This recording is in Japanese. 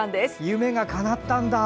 夢がかなったんだ。